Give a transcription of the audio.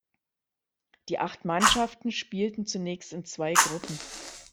Die acht Mannschaften spielten zunächst in zwei Gruppen.